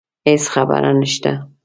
هیڅ خبره نشته